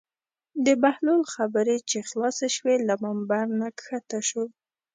د بهلول خبرې چې خلاصې شوې له ممبر نه کښته شو.